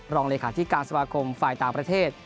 รองเลขาธิการสมาคมฝ่ายต่างประเทศ